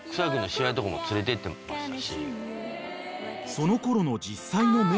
［そのころの］